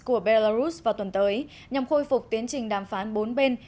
của belarus vào tuần tới nhằm khôi phục tiến trình đàm phán bốn bên